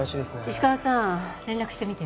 石川さん連絡してみて。